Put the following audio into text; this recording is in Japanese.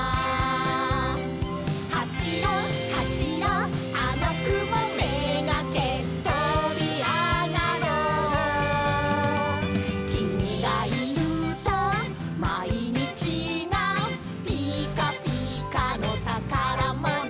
「はしろはしろあのくもめがけとびあがろう」「きみがいるとまいにちがピカピカのたからもの」